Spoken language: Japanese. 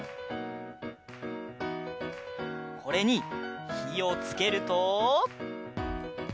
これにひをつけると。